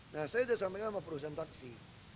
nah saya udah sampai sama perusahaan taksi